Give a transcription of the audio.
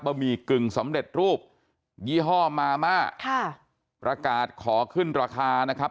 หมี่กึ่งสำเร็จรูปยี่ห้อมาม่าค่ะประกาศขอขึ้นราคานะครับ